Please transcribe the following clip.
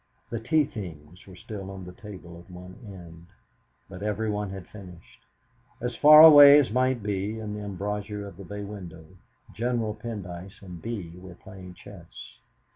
The tea things were still on a table at one end, but every one had finished. As far away as might be, in the embrasure of the bay window, General Pendyce and Bee were playing chess.